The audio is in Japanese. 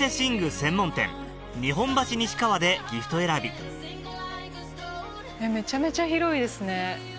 専門店日本橋西川でギフト選びめちゃめちゃ広いですね。